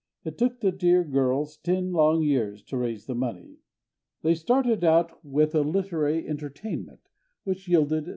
It took the dear girls ten long years to raise the money. They started out with a "literary entertainment" which yielded $380.